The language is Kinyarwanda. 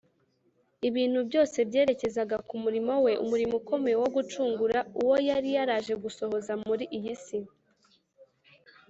. Ibintu byose byerekezaga ku murimo we, umurimo ukomeye wo gucungura uwo yari yaraje gusohoza muri iyi si